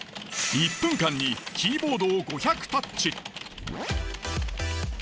１分間にキーボードを５００タッチ。